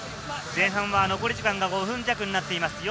前半は残り時間が５分弱になっています。